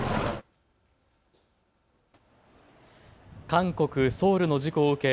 韓国・ソウルの事故を受け